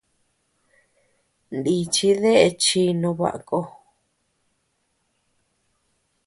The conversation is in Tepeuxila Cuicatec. Nichi dae chi no baʼa ko.